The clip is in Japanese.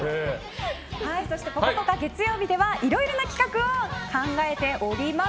そして「ぽかぽか」月曜日ではいろいろな企画を考えております。